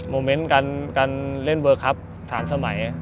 มุมเมนต์การเล่นเวอร์คอัพสามสมัย